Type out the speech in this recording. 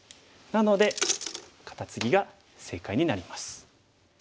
なのでカタツギが正解になります。